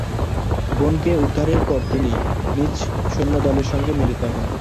বোনকে উদ্ধারের পর তিনি নিজ সৈন্যদলের সঙ্গে মিলিত হন।